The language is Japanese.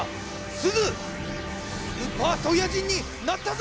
スーパーソイヤ人になったぞ！